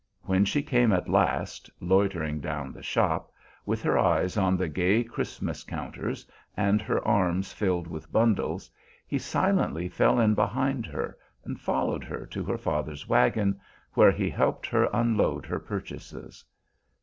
When she came at last, loitering down the shop, with her eyes on the gay Christmas counters and her arms filled with bundles, he silently fell in behind her and followed her to her father's wagon, where he helped her unload her purchases.